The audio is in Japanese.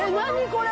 これ。